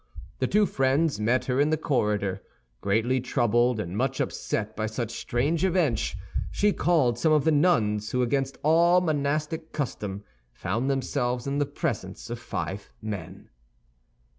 The two friends met her in the corridor, greatly troubled and much upset by such strange events; she called some of the nuns, who against all monastic custom found themselves in the presence of five men.